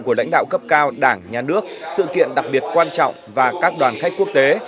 của lãnh đạo cấp cao đảng nhà nước sự kiện đặc biệt quan trọng và các đoàn khách quốc tế